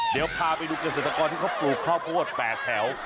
เดี๋ยวพาไปดูเกษตรกรที่เขาปลูกข้าวโพด๘แถว